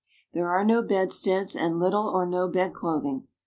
There are no bedsteads, and little or no bed clothing.